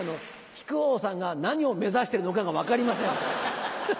木久扇さんが何を目指してるのかが分かりません。